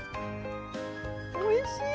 おいしい！